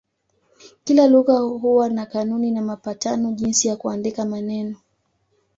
Kila lugha huwa na kanuni na mapatano jinsi ya kuandika maneno.